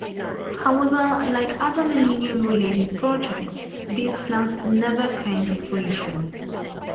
However, like other Millennium-related projects, these plans never came to fruition.